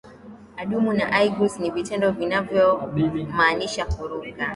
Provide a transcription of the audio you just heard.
Adumu na aigus ni vitendo vinavyomaanisha kuruka